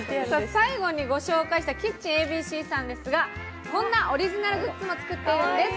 最後にご紹介したキッチンＡＢＣさんですがこんなオリジナルグッズも作ってるんです。